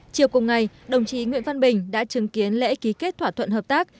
chiều cùng ngày đồng chí nguyễn văn bình đã chứng kiến lễ ký kết thỏa thuận hợp tác